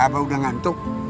abah udah ngantuk